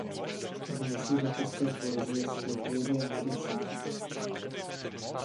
Vnesl do české poezie svět vědy a medicíny.